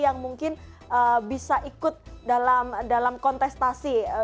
yang mungkin bisa ikut dalam kontestasi